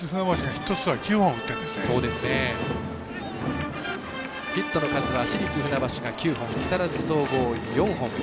ヒットの数は市立船橋が９本木更津総合４本。